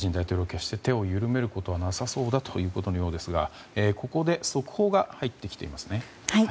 決して手を緩めることはなさそうだということのようですがここで速報が入ってきています。